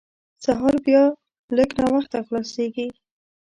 سهار بیا لږ ناوخته خلاصېږي.